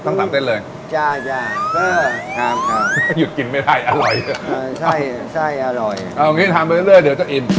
ในคำเดียวเดี๋ยวจะอิ่ม